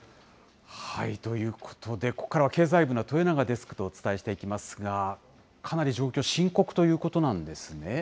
ということで、ここからは経済部の豊永デスクとお伝えしていきますが、かなり状況、深刻ということなんですね。